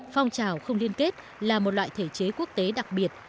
phong trào không liên kết là một loại thể chế quốc tế đặc biệt